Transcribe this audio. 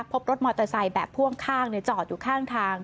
พบรถมอเตอร์ไซค์แบบพ่วงข้างจอดอยู่ข้างทาง